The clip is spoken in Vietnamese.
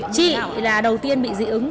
chị là đầu tiên bị dị ứng